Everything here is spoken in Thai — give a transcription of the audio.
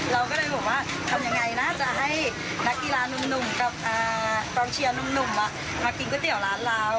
เราก็เลยบอกว่าทำยังไงนะจะให้นักกีฬานุ่มกับกองเชียร์หนุ่มมากินก๋วยเตี๋ยวร้านเรา